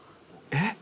えっ？